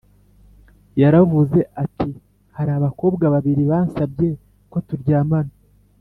Yaravuze ati hari abakobwa babiri bansabye ko turyamana